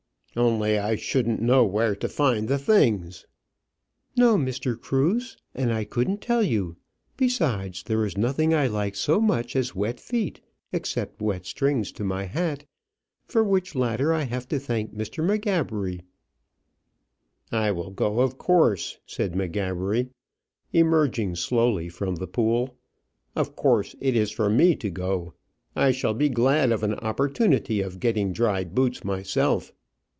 "Only I shouldn't know where to find the things." "No, Mr. Cruse; and I couldn't tell you. Besides, there is nothing I like so much as wet feet, except wet strings to my hat, for which latter I have to thank Mr. M'Gabbery." "I will go, of course," said M'Gabbery, emerging slowly from the pool. "Of course it is for me to go; I shall be glad of an opportunity of getting dry boots myself."